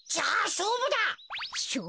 しょうぶ？